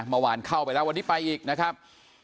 เมื่อวานเข้าไปแล้ววันนี้ไปอีกนะครับ